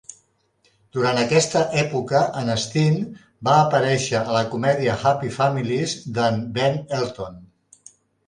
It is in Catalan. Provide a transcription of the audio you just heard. Durant aquesta època en Steen va aparèixer a la comèdia "Happy Families" de"n Ben Elton.